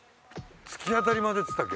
突き当たりまでって言ったっけ？